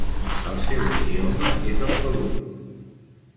El seu idioma és el telugu.